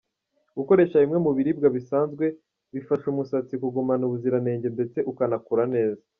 Gukoresha bimwe mu biribwa bisanzwe bifasha umusatsi kugumana ubuziranenge ndetse ukanakura neza.